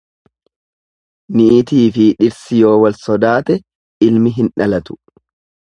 Niitiifi dhirsi yoo wal sodaate ilmi hin dhalatu.